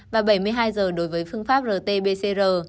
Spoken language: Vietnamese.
và bảy mươi hai giờ đối với phương pháp rt pcr